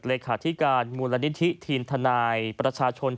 เลขาธิการมูลนิธิทีมทนายประชาชน